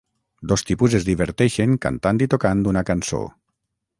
Dos tipus es diverteixen cantant i tocant una cançó.